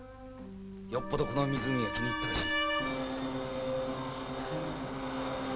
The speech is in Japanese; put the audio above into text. よっぽどこの湖が気に入ったらしい。